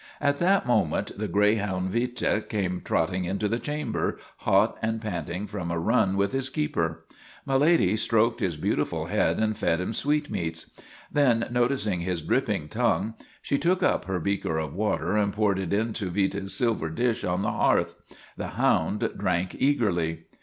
At that moment the greyhound Vite came trot ting into the chamber, hot and panting from a run with his keeper. My Lady stroked his beautiful head and fed him sweetmeats. Then, noticing his dripping tongue, she took up her beaker of water and poured it into Vite's silver dish on the hearth. The hound drank eagerly.